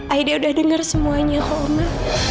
aida udah denger semuanya pak oma